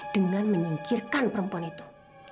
dengan menyingkirkan perempuan itu